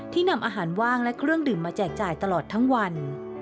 นำอาหารว่างและเครื่องดื่มมาแจกจ่ายตลอดทั้งวัน